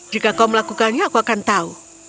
jika kau melakukannya aku akan tahu